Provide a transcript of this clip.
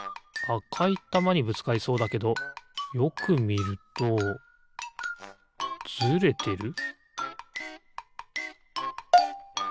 あかいたまにぶつかりそうだけどよくみるとずれてる？